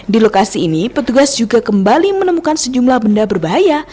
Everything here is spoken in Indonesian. di lokasi ini petugas juga kembali menemukan sejumlah benda berbahaya